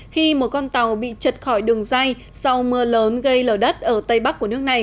khi một con tàu bị chật khỏi đường dây sau mưa lớn gây lở đất ở tây bắc